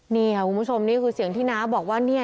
นี่ค่ะคุณผู้ชมนี่คือเสียงที่น้าบอกว่าเนี่ย